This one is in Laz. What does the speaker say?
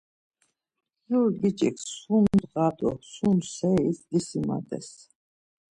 Jur biç̌ik sum ndğa do sum seris disimades.